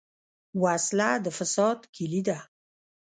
وسله د فساد کلي ده